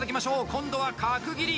今度は角切り！